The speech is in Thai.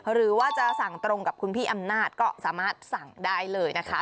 หรือว่าจะสั่งตรงกับคุณพี่อำนาจก็สามารถสั่งได้เลยนะคะ